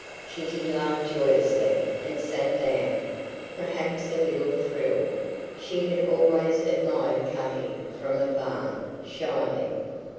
Kitty laughed joyously and sat down, perhaps a little thrilled. She had always admired Cutty from afar, shyly.